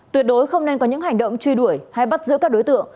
tuyệt đối không nên có những hành động truy đuổi hay bắt giữ các đối tượng